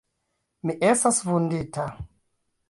Mi estas vundita!